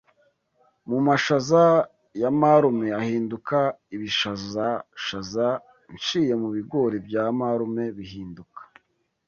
mu mashaza ya marume ahinduka ibishazashaza nshiye mu bigori bya marume bihinduka